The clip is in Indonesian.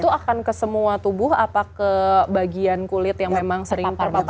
itu akan ke semua tubuh apa ke bagian kulit yang memang sering parmasi